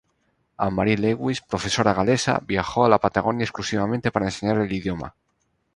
Ann-Marie Lewis, profesora galesa, viajó a la Patagonia exclusivamente para enseñar el idioma.